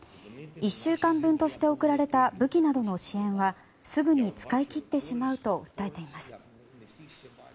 １週間分として送られた武器などの支援はすぐに使い切ってしまうと訴えています。